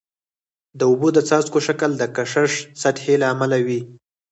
د اوبو د څاڅکو شکل د کشش سطحي له امله وي.